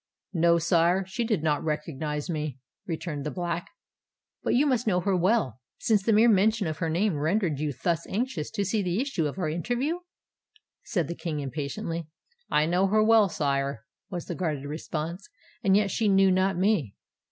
"No, sire—she did not recognise me," returned the Black. "But you must know her well, since the mere mention of her name rendered you thus anxious to see the issue of our interview?" said the King, impatiently. "I know her well, sire," was the guarded response: "and yet she knew not me."